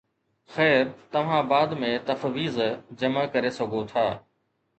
خير، توهان بعد ۾ تفويض جمع ڪري سگهو ٿا